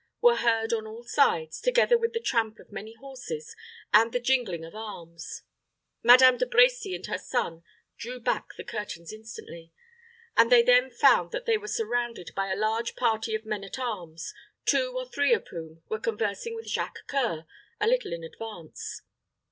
were heard on all sides, together with the tramp of many horses, and the jingling of arms. Madame De Brecy and her son drew back the curtains instantly; and they then found that they were surrounded by a large party of men at arms, two or three of whom were conversing with Jacques C[oe]ur, a little in advance.